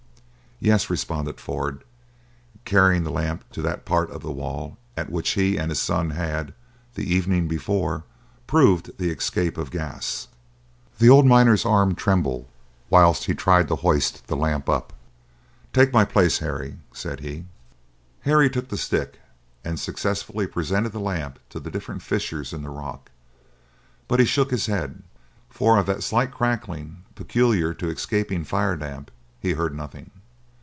"Yes," responded Ford, carrying the lamp to that part of the wall at which he and his son had, the evening before, proved the escape of gas. The old miner's arm trembled whilst he tried to hoist the lamp up. "Take my place, Harry," said he. Harry took the stick, and successively presented the lamp to the different fissures in the rock; but he shook his head, for of that slight crackling peculiar to escaping fire damp he heard nothing.